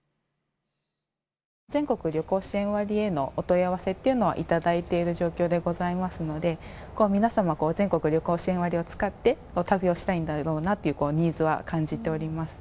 全国旅行支援割へのお問い合わせというのは頂いている状況でございますので、皆様、全国旅行支援割を使って旅をしたいんだろうなというニーズは感じております。